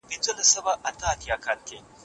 ولي هوډمن سړی د ذهین سړي په پرتله ژر بریالی کېږي؟